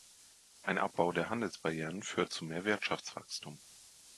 Ein Abbau der Handelsbarrieren führt zu mehr Wirtschaftswachstum.